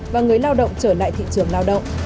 và người lao động trở lại thị trường lao động